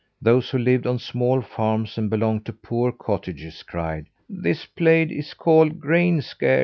Those who lived on small farms, and belonged to poor cottagers, cried: "This place is called Grainscarce."